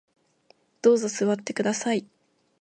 どうぞ座ってください